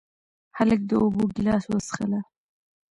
هلک د اوبو ګیلاس وڅښله.